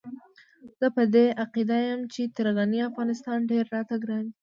زه په دې عقيده يم چې تر غني افغانستان ډېر راته ګران دی.